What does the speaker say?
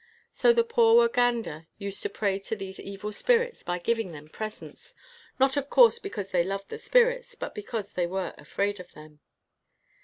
So the poor Wa ganda used to pray to these evil spirits by giving them presents, not of course because they loved the spirits but because they were afraid of them.